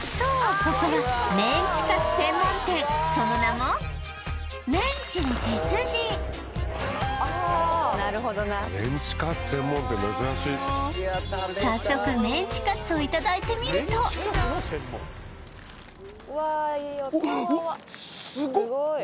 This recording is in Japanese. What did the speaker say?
ここはメンチカツ専門店その名も・ああなるほどな早速メンチカツをいただいてみるとうわスゴ！